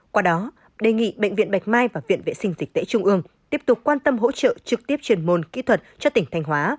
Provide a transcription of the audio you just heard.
qua đó đề nghị bệnh viện bạch mai và viện vệ sinh dịch tễ trung ương tiếp tục quan tâm hỗ trợ trực tiếp truyền môn kỹ thuật cho tỉnh thanh hóa